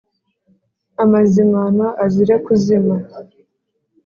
amazimano azire kuzima